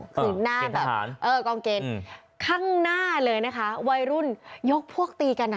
เออเกรงทะหารเออกล้องเกรนค้างหน้าเลยนะคะวัยรุ่นยกพวกตีกันอ่ะ